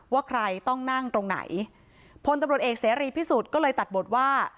ว่าใครต้องนั่งตรงไหนพลตำรวจเอกเสรีพิสุทธิ์ก็เลยตัดบทว่า